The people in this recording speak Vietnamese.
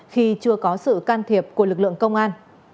khi chưa có sự can thiệp của lực lượng công an